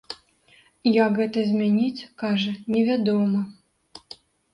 Як гэта змяніць, кажа, не вядома.